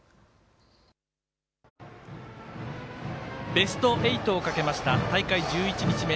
ベスト８をかけました大会１１日目。